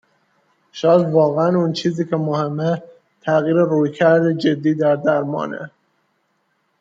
شاید واقعن اون چیزی که مهمه تغییر رویکرد جدی در درمانه.